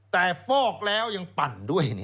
แต่ฟอกแล้วยังปั่นด้วย